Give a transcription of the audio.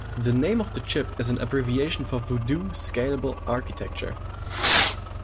The name of the chip is an abbreviation for Voodoo Scalable Architecture.